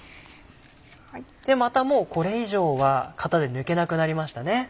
またもうこれ以上は型で抜けなくなりましたね。